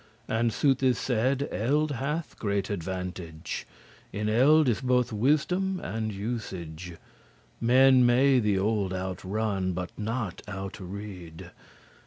As sooth is said, eld* hath great advantage, *age In eld is bothe wisdom and usage*: *experience Men may the old out run, but not out rede*.